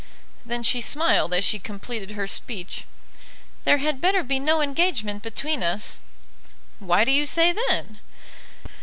Then she smiled as she completed her speech. "There had better be no engagement between us." "Why do you say that?"